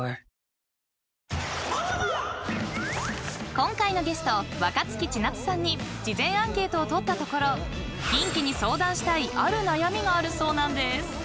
［今回のゲスト若槻千夏さんに事前アンケートを取ったところキンキに相談したいある悩みがあるそうなんです］